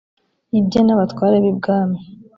ibye n’abatware b’ibwami